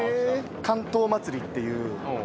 竿燈まつりっていう。